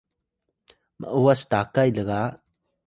m’was takay lga